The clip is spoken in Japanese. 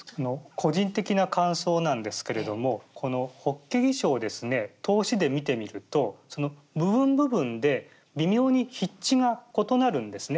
個人的な感想なんですけれどもこの「法華義疏」をですね通しで見てみると部分部分で微妙に筆致が異なるんですね。